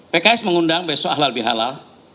pks mengundang besok ahlal bi halal